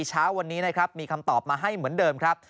เช้าวันนี้นะครับมีคำตอบมาให้เหมือนเดิมครับ